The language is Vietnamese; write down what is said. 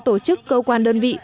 tổ chức cơ quan đơn vị